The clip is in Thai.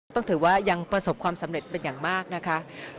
ต้องถือว่ายังประสบความสำเร็จเป็นอย่างมากนะคะ